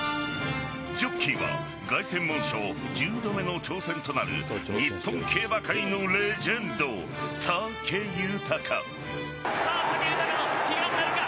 ジョッキーは凱旋門賞１０度目の挑戦となる日本競馬界のレジェンド・武豊。